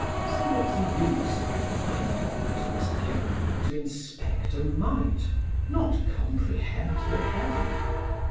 Say what the use, were finer optics given, To inspect a mite, not comprehend the heaven?